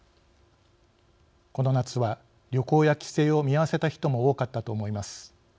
この夏は旅行や帰省を見合わせた人も多かったと思います。